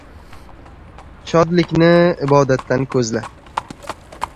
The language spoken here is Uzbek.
— Shodlikni ibodatdan ko‘zla.